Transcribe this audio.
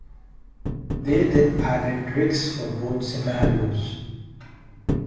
They then added rigs for both scenarios.